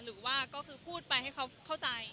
หรือว่าก็คือพูดไปให้เขาเข้าใจ